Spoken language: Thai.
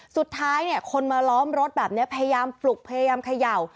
สุดท้ายเนี่ยคนมาล้อมรถแบบนี้พยายามปลุกพยายามเขย่า